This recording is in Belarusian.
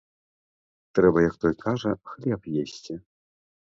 Трэба, як той кажа, хлеб есці.